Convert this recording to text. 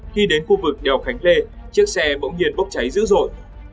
khi đến khu vực đèo khánh lê chiếc xe bỗng nhiên bốc cháy dữ dội